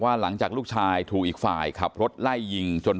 แล้วหลังจากนั้นเราขับหนีเอามามันก็ไล่ตามมาอยู่ตรงนั้น